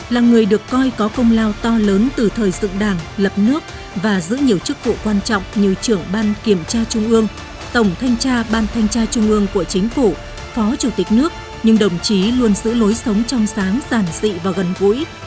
là người được coi có công lao to lớn từ thời dựng đảng lập nước và giữ nhiều chức vụ quan trọng như trưởng ban kiểm tra trung ương tổng thanh tra ban thanh tra trung ương của chính phủ phó chủ tịch nước nhưng đồng chí luôn giữ lối sống trong sáng giản dị và gần gũi